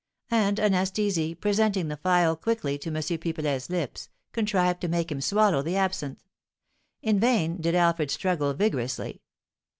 And Anastasie, presenting the phial quickly to M. Pipelet's lips, contrived to make him swallow the absinthe. In vain did Alfred struggle vigorously.